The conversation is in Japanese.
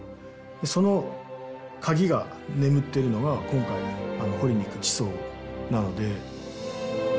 その鍵が眠っているのが今回掘りに行く地層なので。